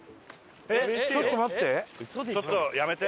ちょっとやめて。